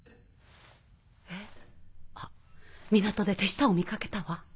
えっあっ港で手下を見掛けたわ。